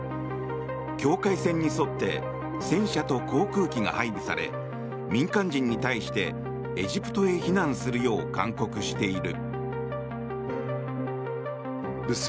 境界線に沿って戦車と航空機が配備され民間人に対してエジプトへ避難するよう勧告している。